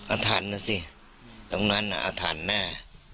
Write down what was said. อาถรรพ์นะสิตรงนั้นอาถรรพ์แน่